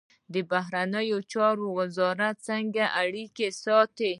بهرنیو چارو وزارت څنګه اړیکې ساتي؟